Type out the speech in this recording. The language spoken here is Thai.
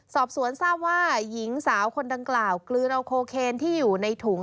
สอบสวนทราบว่าหญิงสาวคนดังกล่าวกลืนเอาโคเคนที่อยู่ในถุง